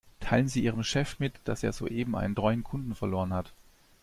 Teilen Sie Ihrem Chef mit, dass er soeben einen treuen Kunden verloren hat.